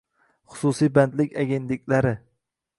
Xususiy bandlik agentliklari